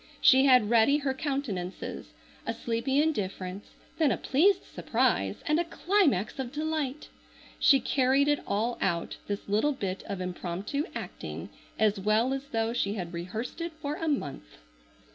She had ready her countenances, a sleepy indifference, then a pleased surprise, and a climax of delight. She carried it all out, this little bit of impromptu acting, as well as though she had rehearsed it for a month.